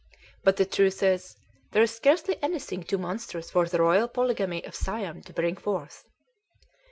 But the truth is, there is scarcely anything too monstrous for the royal polygamy of Siam to bring forth."